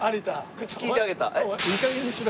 口利いてあげた？